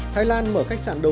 thái lan mở khách sạn đường